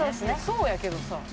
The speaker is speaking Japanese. そうやけどさ。